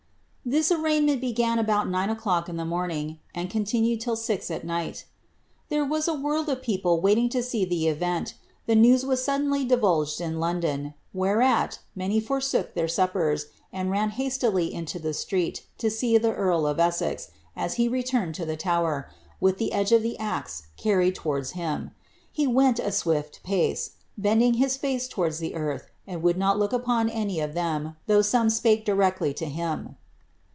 ' This arraignment began about nine o'clock in the morning, and con tinued till six at night. " There «as a world of people wailing lo ser ■ LIIABBTH* 901 erent The news was suddenly diynl^ in London; whereat, y forsook their suppers, and ran hastily into the street to see the of Essex, as he returned to the Tower, with the edge of the axe led towaitis him. He went a swift pace, bending his face towards earth, and would not look upon any of them, though some spake etly to him.